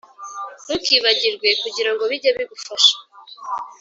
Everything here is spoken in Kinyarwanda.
ntukibagirwe kugira ngo bijye bigufasha